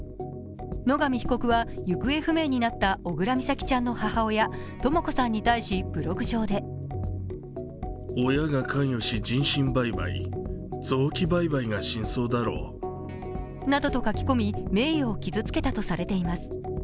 野上被告は行方不明になった小倉美咲ちゃんの母親・とも子さんに対しブログ上でなどと書き込み、名誉を傷つけたとされています。